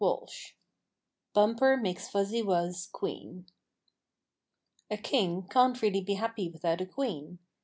STORY XV BUMPER MAKES FUZZY WUZZ QUEEN A KING can't really be happy without a queen.